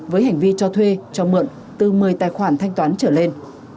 với hành vi cho thuê cho mượn từ một mươi tài khoản thanh toán trở lên